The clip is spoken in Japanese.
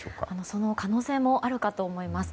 その可能性もあるかと思います。